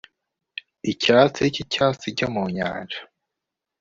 icyatsi cy'icyatsi cyo mu nyanja